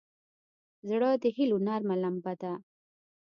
زړه د هيلو نرمه لمبه ده.